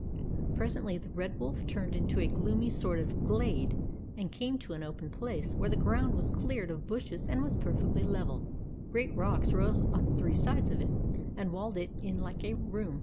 Presently the Red Wolf turned into a gloomy sort of glade, and came to an open place where the ground was cleared of bushes and was perfectly level. ' Great rocks rose on three sides of it, and walled it in like a room.